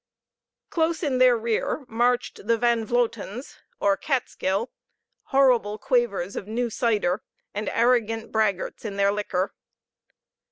Close in their rear marched the Van Vlotens, or Kaats kill, horrible quavers of new cider, and arrant braggarts in their liquor.